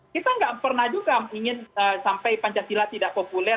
kita nggak pernah juga ingin sampai pancasila tidak populer